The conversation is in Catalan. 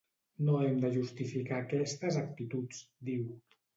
No hem de justificar aquestes actituds, diu.